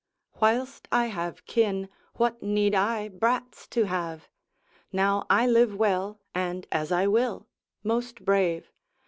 Whilst I have kin, what need I brats to have? Now I live well, and as I will, most brave.